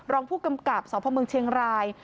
รองผู้กำกับสพเมืองเชียงราย